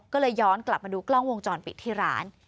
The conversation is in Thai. ก็เลยย้อนกลับมาดูกล้องวงจรปิดที่ร้าน